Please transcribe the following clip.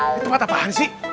itu tempat apaan sih